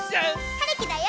はるきだよ！